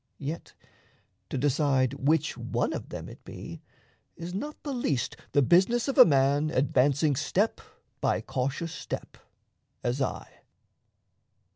Yet to decide which one of them it be Is not the least the business of a man Advancing step by cautious step, as I.